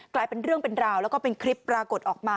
กลายเป็นเรื่องเป็นราวแล้วก็เป็นคลิปปรากฏออกมา